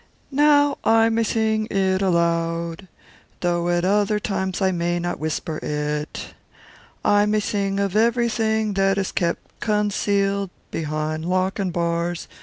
'Now I may sing it out aloud, though at other times I may not whisper it. I may sing of everything that is kept concealed behind lock and bars.